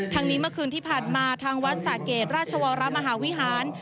นี้เมื่อคืนที่ผ่านมาทางวัดสะเกดราชวรมหาวิหาร